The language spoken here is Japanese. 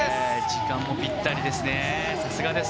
時間もぴったりです。